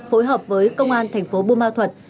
phối hợp với công an thành phố bù ma thuật